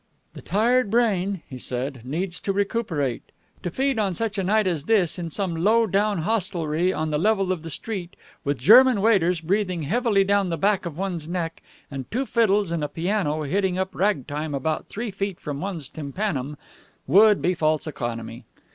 "The tired brain," he said, "needs to recuperate. To feed on such a night as this in some low down hostelry on the level of the street, with German waiters breathing heavily down the back of one's neck and two fiddles and a piano hitting up ragtime about three feet from one's tympanum, would be false economy.